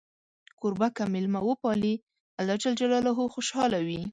کوربه که میلمه وپالي، الله خوشحاله وي.